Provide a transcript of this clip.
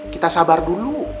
kita sabar dulu